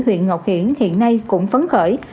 huyện ngọc hiển hiện nay cũng phấn khởi